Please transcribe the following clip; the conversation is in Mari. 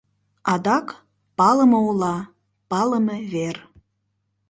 Адак палыме ола, палыме вер.